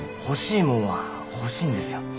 欲しいもんは欲しいんですよ。